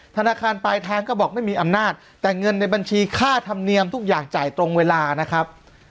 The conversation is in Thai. ธนาคารปลายทางก็บอกไม่มีอำนาจแต่เงินในบัญชีค่าธรรมเนียมทุกอย่างจ่ายตรงเวลานะครับ